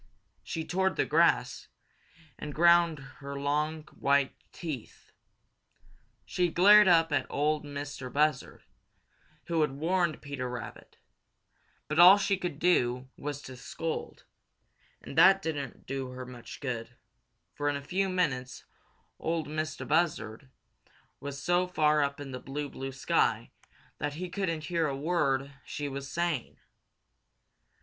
She tore up the grass and ground her long, white teeth. She glared up at Ol' Mistah Buzzard, who had warned Peter Rabbit, but all she could do was to scold, and that didn't do her much good, for in a few minutes Ol' Mistah Buzzard was so far up in the blue, blue sky that he couldn't hear a word she was saying.